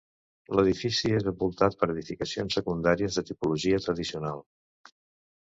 L'edifici és envoltat per edificacions secundàries de tipologia tradicional.